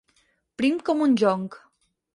Prim com un jonc.